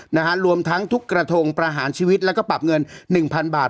นะฮะรวมทั้งทุกกระทงประหารชีวิตแล้วก็ปรับเงินหนึ่งพันบาท